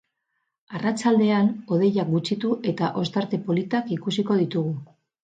Arratsaldean hodeiak gutxitu eta ostarte politak ikusiko ditugu.